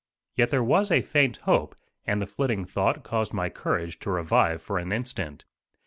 Yet there was a faint hope, and the flitting thought caused my courage to revive for an instant.